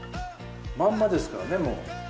まんまですからねもう。